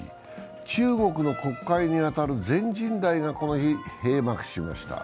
中国の国会に当たる全人代がこの日、閉幕しました。